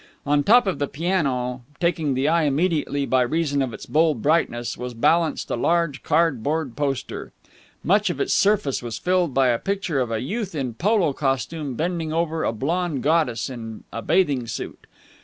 On top of the piano, taking the eye immediately by reason of its bold brightness, was balanced a large cardboard poster. Much of its surface was filled by a picture of a youth in polo costume bending over a blonde goddess in a bathing suit.